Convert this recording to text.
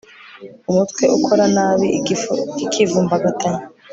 umutwe ukora nabi, igifu kikivumbagatanya